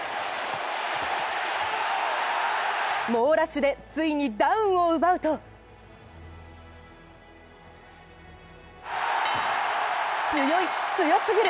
猛ラッシュでついにダウンを奪うと強い、強すぎる！